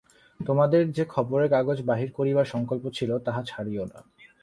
তোমাদের যে খবরের কাগজ বাহির করিবার সঙ্কল্প ছিল, তাহা ছাড়িও না।